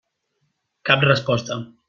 Cap resposta.